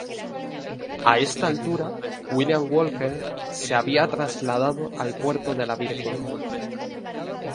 A esta altura, William Walker se había trasladado al puerto de La Virgen.